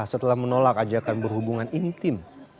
setelah menolak ajakan berhubungan intim